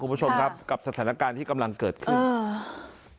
คุณผู้ชมครับกับสถานการณ์ที่กำลังเกิดขึ้นอ่า